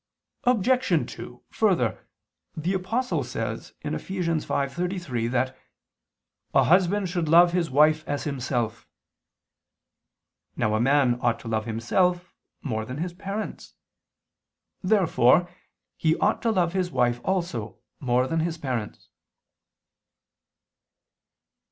Obj. 2: Further, the Apostle says (Eph. 5:33) that a husband should "love his wife as himself." Now a man ought to love himself more than his parents. Therefore he ought to love his wife also more than his parents.